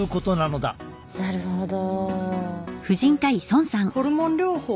なるほど。